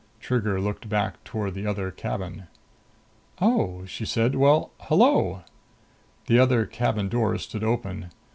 Trigger looked back toward the other cabin. "Oh," she said. "Well ... hello." The other cabin door stood open.